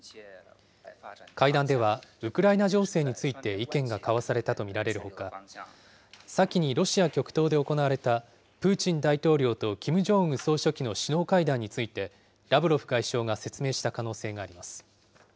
会談ではウクライナ情勢について意見が交わされたと見られるほか、先にロシア極東で行われたプーチン大統領とキム・ジョンウン総書記の首脳会談について、ラブロフ外相が説明した可能性があります。